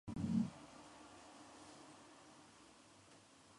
Por favor responda unas preguntas para recibir su lista de posibles beneficios.